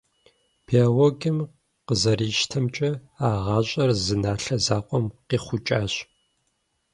Биологием къызэрищтэмкӀэ, а гъащӀэр зы налъэ закъуэм къихъукӀащ.